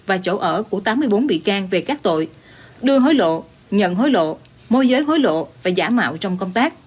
và chỗ ở của tám mươi bốn bị can về các tội đưa hối lộ nhận hối lộ môi giới hối lộ và giả mạo trong công tác